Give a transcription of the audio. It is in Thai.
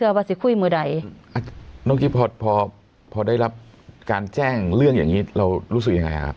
รู้สึกโดนทิ้งไว้กลางทะเล